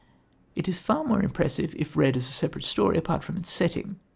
It is far more impressive if read as a separate story apart from its setting.